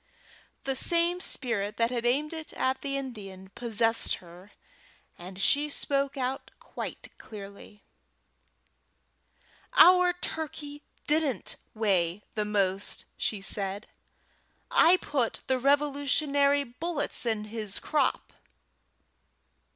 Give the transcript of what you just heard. The same spirit that had aimed it at the Indian possessed her, and she spoke out quite clearly: "Our turkey didn't weigh the most," said she. "I put the Revolutionary bullets in his crop."